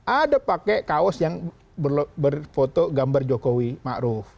ada pakai kaos yang berpoto gambar jokowi ma'ruf